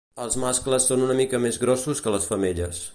Els mascles són una mica més grossos que les femelles.